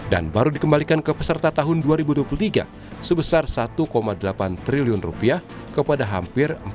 dan baru dikembalikan ke peserta tahun dua ribu dua puluh tiga sebesar rp satu delapan triliun kepada hampir